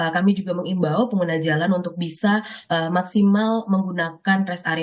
nah ini kami berharap dengan penambahan ini pengguna jalan dapat bisa dengan cepat menuntaskan gitu ya kebutuhannya dalam res area